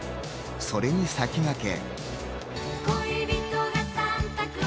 それに先駆け。